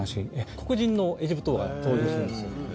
黒人のエジプト王が登場するんですよ。